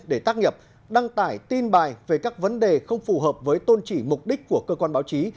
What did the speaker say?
để tác nghiệp đăng tải tin bài về các vấn đề không phù hợp với tôn trị mục đích của cơ quan báo chí